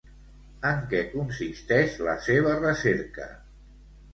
En què consisteix la seva recerca?